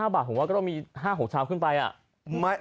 บาทผมว่าก็ต้องมี๕๖ชามขึ้นไป